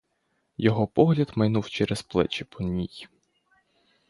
Його погляд майнув через плечі по ній.